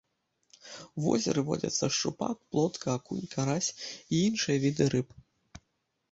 У возеры водзяцца шчупак, плотка, акунь, карась і іншыя віды рыб.